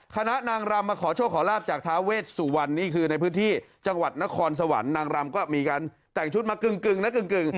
คณะนางรำมาขอโชคขอลาบจากท้าเวชสุวรรณนี่คือในพื้นที่จังหวัดนครสวรรค์นางรำก็มีการแต่งชุดมากึ่งนะกึ่ง